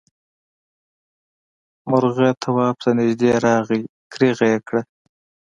مرغه تواب ته نږدې راغی کريغه یې کړه.